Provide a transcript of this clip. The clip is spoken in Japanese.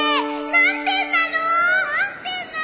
何点なの！